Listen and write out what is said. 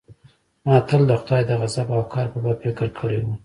ما تل د خداى د غضب او قهر په باب فکر کړى و.